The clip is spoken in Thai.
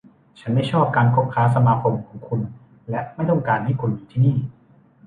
ฉันไม่ชอบการคบค้าสมาคมของคุณ และไม่ต้องการให้คุณอยู่ที่นี่